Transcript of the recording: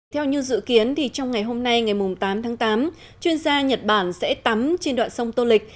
theo như dự kiến trong ngày hôm nay ngày tám tháng tám chuyên gia nhật bản sẽ tắm trên đoạn sông tô lịch